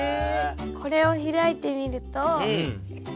これを開いてみると。